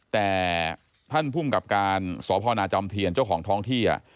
แต่ท่านภูมิกับการสพนาจอมเทียนเจ้าของท้องที่